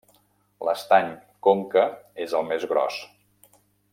L'Estany Conca és el més gros.